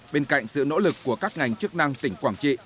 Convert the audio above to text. bên cạnh sự nỗ lực của các ngành chức năng tỉnh quảng trị